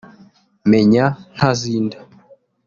Meya Ntazinda